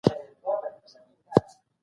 تعليم د ټولني د هوساينې او پرمختګ سبب کيږي.